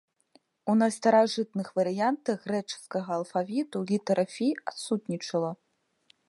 У найстаражытных варыянтах грэчаскага алфавіту літара фі адсутнічала.